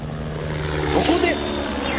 そこで！